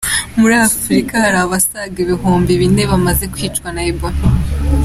Muri Afurika ho hari abasaga ibihumbi bine bamaze kwicwa na Ebola.